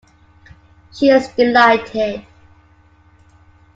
She is delighted.